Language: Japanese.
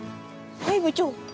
はい部長！